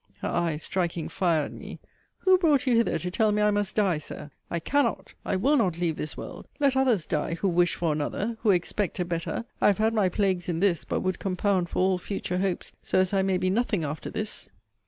[her eyes striking fire at me] Who brought you hither to tell me I must die, Sir? I cannot, I will not leave this world. Let others die, who wish for another! who expect a better! I have had my plagues in this; but would compound for all future hopes, so as I may be nothing after this!